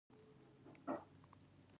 ټپي ته باید پاملرنه د انسانیت له مخې وشي.